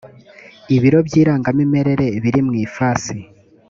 ibiro by irangamimerere biri mu ifasi